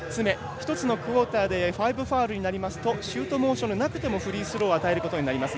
１つのクオーターで５ファウルになりますとシュートモーションがなくてもフリースローを与えることになります。